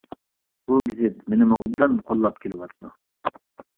بۇ گېزىت مېنىمۇ ئوبدان قوللاپ كېلىۋاتىدۇ.